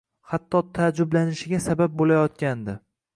Hatto taajjublanishiga sabab bo‘layotgandi.